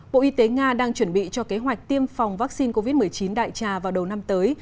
bộ y tế nga đang chuẩn bị cho kế hoạch tiêm phòng vaccine covid một mươi chín đại trà vào đầu năm tới